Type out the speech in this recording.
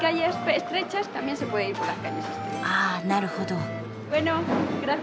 ああなるほど。